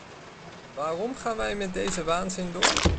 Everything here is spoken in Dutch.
Waarom gaan wij met deze waanzin door?